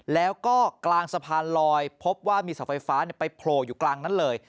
แล้วก็กลางสะพานลอยพบว่ามีเสาไฟฟ้าไปโผล่อยู่กลางนั้นเลย